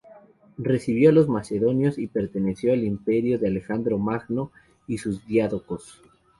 Recibió a los macedonios y perteneció al imperio de Alejandro Magno y sus diádocos.